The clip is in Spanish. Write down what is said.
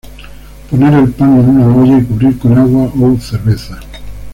Poner el pan en una olla y cubrir con agua o cerveza.